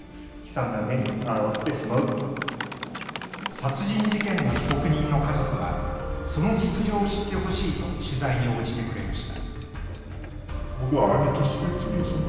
殺人事件の被告人の家族はその実情を知ってほしいと取材に応じてくれました。